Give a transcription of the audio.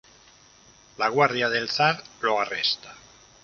La guardia del zar lo arresta.